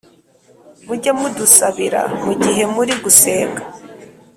Mujye mudusabira mu gihe muri gusenga